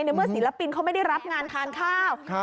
เนี่ยเมื่อศิลปินเขาไม่ได้รับงานทานข้าวครับ